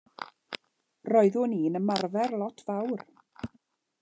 Roeddwn i'n ymarfer lot fawr.